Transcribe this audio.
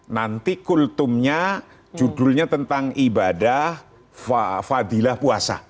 nanti kultumnya judulnya tentang ibadah fadilah puasa